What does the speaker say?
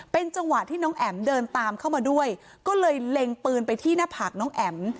เป็นจังหวะที่น้องแอ๋มเดินตามเข้ามาด้วยก็เลยเล็งปืนไปที่หน้าผากน้องแอ๋ม